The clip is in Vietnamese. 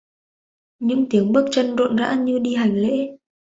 Những tiếng bước chân rộn rã như đi hành lễ